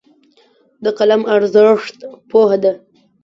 د قلم ارزښت پوهه ده.